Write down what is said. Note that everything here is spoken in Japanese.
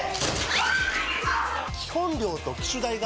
基本料と機種代が